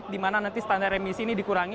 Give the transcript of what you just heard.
di mana nanti standar remisi ini dikurangi